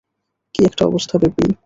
কি একটা অবস্থা, বেপি?